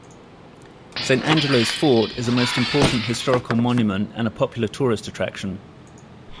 Saint Angelo's fort is a most important historical monument and a popular tourist attraction.